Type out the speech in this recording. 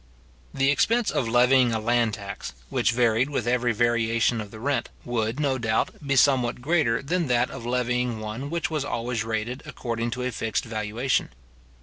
The expense of levying a land tax, which varied with every variation of the rent, would, no doubt, be somewhat greater than that of levying one which was always rated according to a fixed valuation.